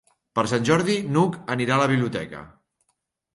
Per Sant Jordi n'Hug anirà a la biblioteca.